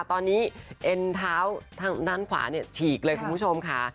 ตอนนี้เอ็นเท้าทางด้านขวาเนี่ยฉีกเลยคุณผู้ชมค่ะ